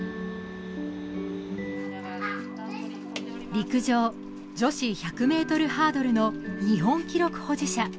陸上女子１００ｍハードルの日本記録保持者